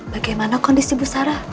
bagaimana kondisi bu sarah